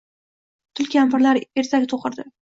Tul kampirlar ertak toʻqirdi